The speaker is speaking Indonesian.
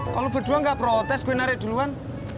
kalo berdua gak protes gue narik duluan